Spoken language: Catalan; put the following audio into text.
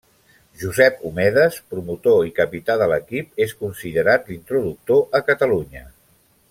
Josep Omedes, promotor i capità de l'equip, és considerat l'introductor a Catalunya.